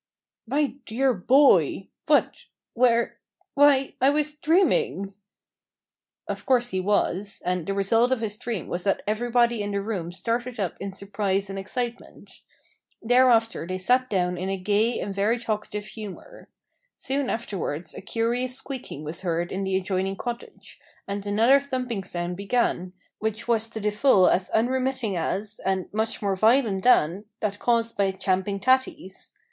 "My dear boy! what? where? Why, I was dreaming!" Of course he was, and the result of his dream was that everybody in the room started up in surprise and excitement. Thereafter they sat down in a gay and very talkative humour. Soon afterwards a curious squeaking was heard in the adjoining cottage, and another thumping sound began, which was to the full as unremitting as, and much more violent than, that caused by "champin' tatties."